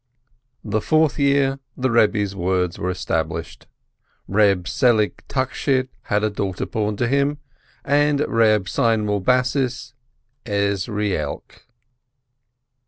The fourth year the Rebbe's words were established: Reb Selig Tachshit had a daughter born to him, and Reb Seinwill Bassis, Ezrielk.